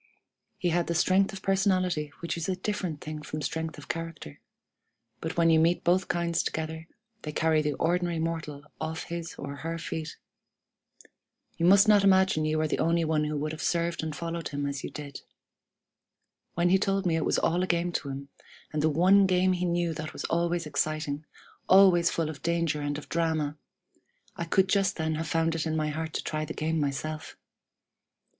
He had the strength of personality which is a different thing from strength of character; but when you meet both kinds together, they carry the ordinary mortal off his or her feet. You must not imagine you are the only one who would have served and followed him as you did. When he told me it was all a game to him, and the one game he knew that was always exciting, always full of danger and of drama, I could just then have found it in my heart to try the game myself!